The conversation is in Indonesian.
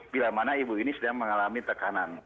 bila mana ibu ini sedang mengalami tekanan